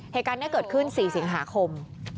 เหตุการณ์นี้เกิดขึ้น๔สิงหาคม